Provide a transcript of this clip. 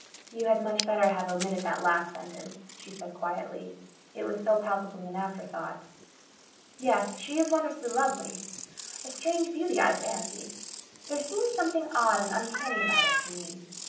"You had much better to have omitted that last sentence," she said quietly, "it was so palpably an afterthought. Yes, she is wonderfully lovely a strange beauty, I fancied. There seemed something odd and uncanny about it to me.